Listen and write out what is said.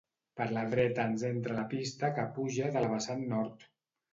Per la dreta ens entra la pista que puja de la vessant nord.